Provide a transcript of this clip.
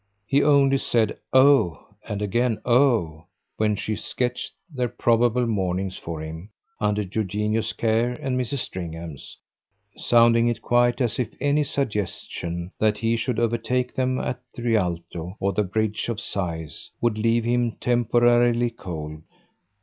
He only said "Oh!" and again "Oh!" when she sketched their probable morning for him, under Eugenio's care and Mrs. Stringham's sounding it quite as if any suggestion that he should overtake them at the Rialto or the Bridge of Sighs would leave him temporarily cold.